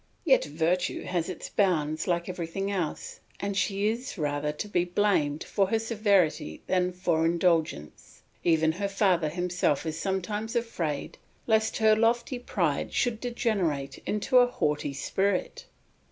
Yet virtue has its bounds like everything else, and she is rather to be blamed for her severity than for indulgence; even her father himself is sometimes afraid lest her lofty pride should degenerate into a haughty spirit.